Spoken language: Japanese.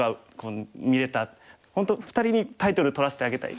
本当２人にタイトル取らせてあげたい。